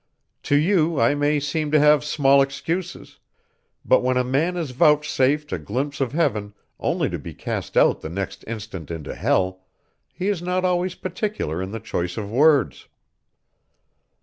"To you I may seem to have small excuses, but when a man is vouchsafed a glimpse of heaven only to be cast out the next instant into hell, he is not always particular in the choice of words."